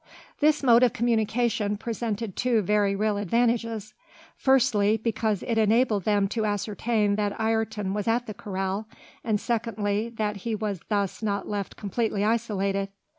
This mode of communication presented two very real advantages; firstly, because it enabled them to ascertain that Ayrton was at the corral, and secondly, that he was thus not left completely isolated.